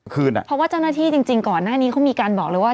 เพราะว่าเจ้าหน้าที่จริงก่อนหน้านี้เขามีการบอกเลยว่า